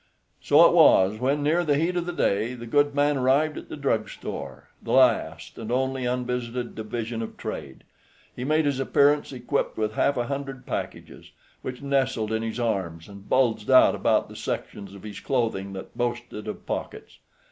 So it was when, near the heat of the day, the good man arrived at the drugstore, the last and only unvisited division of trade, he made his appearance equipped with half a hundred packages, which nestled in his arms and bulged out about the sections of his clothing that boasted of pockets.